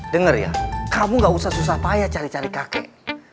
dengar ya kamu gak usah susah payah cari cari kakek